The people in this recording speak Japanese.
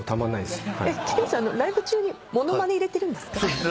剣さんライブ中に物まね入れてるんですか？